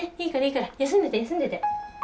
いいからいいから休んでて休んでて。